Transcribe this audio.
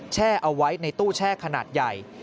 แช่เอาไว้ในตู้แช่ขนาดใหญ่